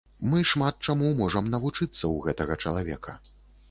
Мы шмат чаму можам навучыцца ў гэтага чалавека.